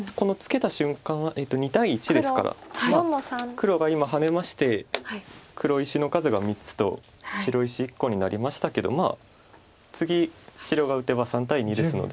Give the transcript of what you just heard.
黒が今ハネまして黒石の数が３つと白石１個になりましたけど次白が打てば３対２ですので。